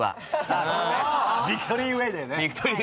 ビクトリーウェーだよね。